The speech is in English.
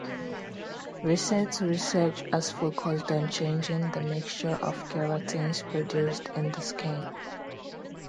Recent research has focused on changing the mixture of keratins produced in the skin.